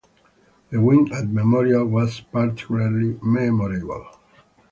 The win at Memorial was particularly memorable.